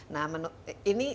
nah ini yang menarik